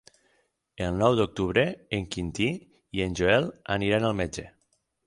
El nou d'octubre en Quintí i en Joel aniran al metge.